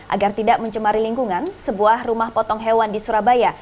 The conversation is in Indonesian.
agar tidak mencemari lingkungan sebuah rumah potong hewan di surabaya